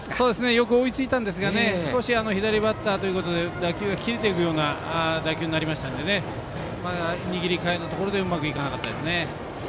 よく追いついたんですが左バッターということで打球が切れていくような打球になりましたので握り替えのところでうまくいかなかったですね。